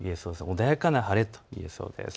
穏やかな晴れといえそうです。